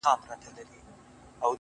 • نه مالونه به خوندي وي د خانانو,